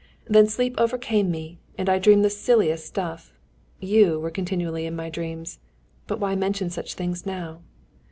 Then sleep overcame me and I dreamed the silliest stuff. You were continually in my dreams. But why mention such things now?"